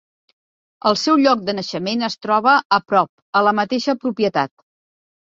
El seu lloc de naixement es troba a prop, a la mateixa propietat.